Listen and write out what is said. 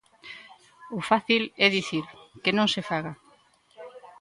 O fácil é dicir: que non se faga.